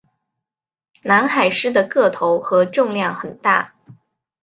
南海狮的个头和重量很大。